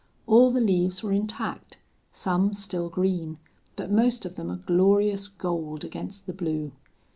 All the leaves were intact, some still green, but most of them a glorious gold against the blue.